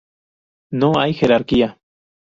No hay jerarquía.